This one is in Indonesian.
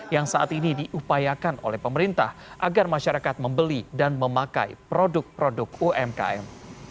yang saat ini diupayakan oleh pemerintah agar masyarakat membeli dan memakai produk produk umkm